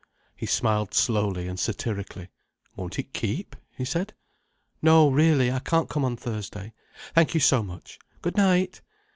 He smiled slowly and satirically. "Won't it keep?" he said. "No, really. I can't come on Thursday—thank you so much. Good night!"